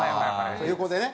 横でね。